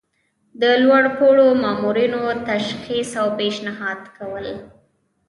د لوړ پوړو مامورینو تشخیص او پیشنهاد کول.